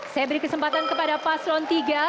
saya beri kesempatan kepada paslon tiga